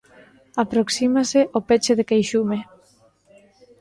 Aproxímase o peche de Queixume.